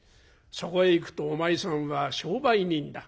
そこへいくとお前さんは商売人だ。